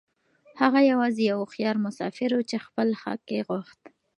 هغه يوازې يو هوښيار مسافر و چې خپل حق يې غوښت.